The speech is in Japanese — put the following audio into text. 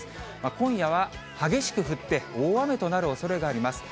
今夜は激しく降って、大雨となるおそれがあります。